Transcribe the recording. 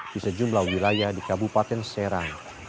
di sejumlah wilayah di kabupaten serang